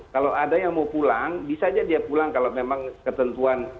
kalau ada yang mau pulang bisa aja dia pulang kalau memang ketentuan